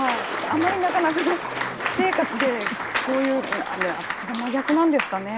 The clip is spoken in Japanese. あまりなかなか私生活でこういう私が真逆なんですかね？